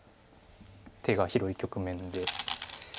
手が広い局面で。